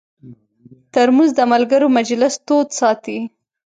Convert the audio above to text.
ترموز د ملګرو مجلس تود ساتي.